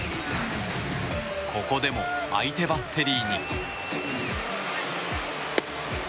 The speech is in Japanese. ここでも相手バッテリーに。